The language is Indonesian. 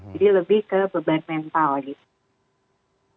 jadi lebih ke beban mental gitu